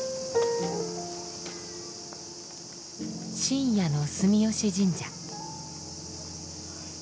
深夜の住吉神社。